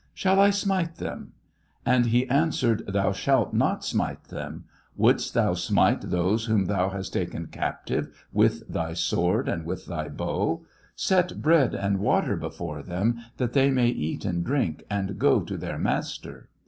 Shall I smite them 7 And he answered, thou shalt not ^rnite them ; wouldst thou smite those whom thou hast taken captive with thy sword and with thy bow 7 Set bread and water before them, that they may eat and drink and go to their master.